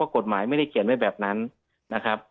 กรณีตรงส่วนนี้นะครับ